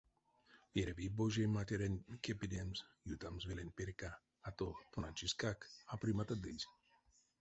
Эряви божей матеренть кепедемс, ютамс веленть перька, а то тоначискак а приматадызь.